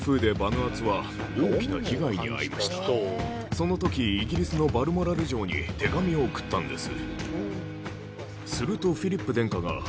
その時イギリスのバルモラル城に手紙を送ったんです